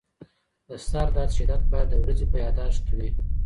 د سردرد شدت باید د ورځې په یادښت کې وي.